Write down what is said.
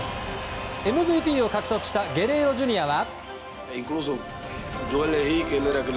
ＭＶＰを獲得したゲレーロＪｒ．は。